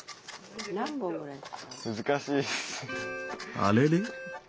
あれれ？